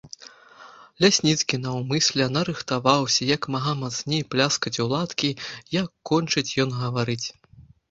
Лясніцкі наўмысля нарыхтаваўся як мага мацней пляскаць у ладкі, як кончыць ён гаварыць.